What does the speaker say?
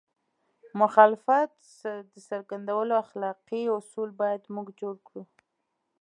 د مخالفت د څرګندولو اخلاقي اصول باید موږ جوړ کړو.